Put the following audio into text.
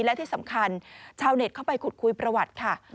และที่สำคัญชาวเน็ตเข้าไปขุดคุยประวัติค่ะ